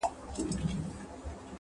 کورنۍ لا هم ټوټه ټوټه ده,